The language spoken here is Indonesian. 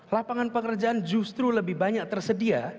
lapangan pekerjaan justru lebih banyak tersedia